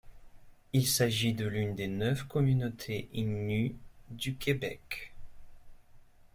Il s'agit de l'une des neuf communautés innues du Québec.